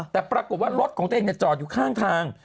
แต่ปรากฏว่ารถของตัวเองจอดอยู่ข้างทาง